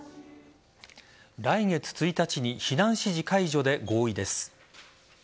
来月１日に避難指示解除で合意です。